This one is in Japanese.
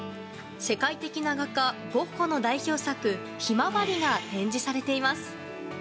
世界的な画家ゴッホの代表作「ひまわり」が展示されています。